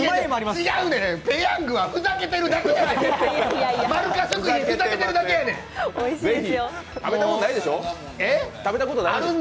違うねん、ペヤングはふざけてるだけやねん。